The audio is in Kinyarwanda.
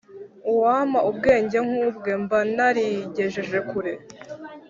Uwampa ubwenge nk’ ubwe mba narigejeje kure